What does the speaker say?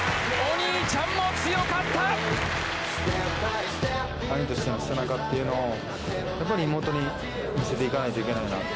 兄としての背中というのをやっぱり妹に見せていかないといけないなと。